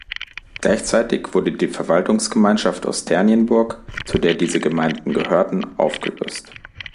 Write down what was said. Gleichzeitig wurde die Verwaltungsgemeinschaft Osternienburg, zu der diese Gemeinden gehörten, aufgelöst.